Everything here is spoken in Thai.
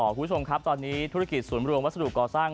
คุณผู้ชมครับตอนนี้ธุรกิจศูนย์รวมวัสดุก่อสร้าง